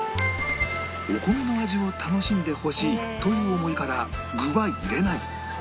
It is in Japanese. お米の味を楽しんでほしいという思いから具は入れない